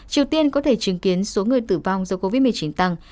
triều tiên có thể chứng kiến số người tử vong do covid một mươi chín tăng